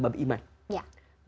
kualikat adalah bab iman